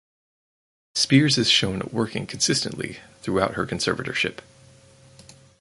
Spears is shown working consistently throughout her conservatorship.